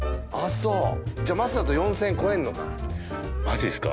そうじゃあ松だと４０００円超えるのかマジですか？